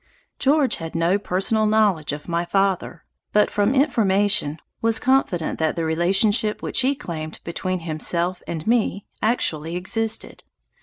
George had no personal knowledge of my father; but from information, was confident that the relationship which he claimed between himself and me, actually existed.